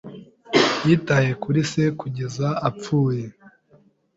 Yitaye kuri se kugeza apfuye.